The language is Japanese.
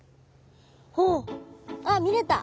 あっあっ見れた。